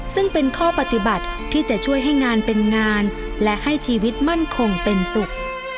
ซึ่งเป็นข้อปฏิบัติที่จะช่วยให้งานเป็นงานและให้ชีวิตมั่นคงเป็นสุข